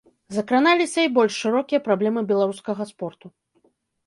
Закраналіся і больш шырокія праблемы беларускага спорту.